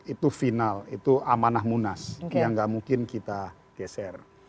itu final itu amanah munas yang gak mungkin kita geser